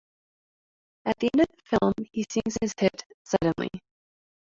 At the end of the film, he sings his hit Suddenly.